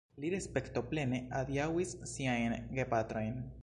Li respektoplene adiaŭis siajn gepatrojn.